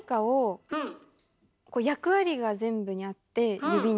こう役割が全部にあって指に。